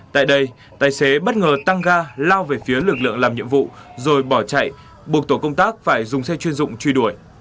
tại đây tài xế bất ngờ tăng ga lao về phía lực lượng làm nhiệm vụ rồi bỏ chạy buộc tổ công tác phải dùng xe chuyên dụng truy đuổi